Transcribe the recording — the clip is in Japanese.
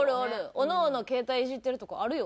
おのおの携帯いじってるとかあるよ。